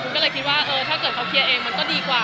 ก็เลยคิดว่าเออถ้าเกิดเขาเคลียร์เองมันก็ดีกว่า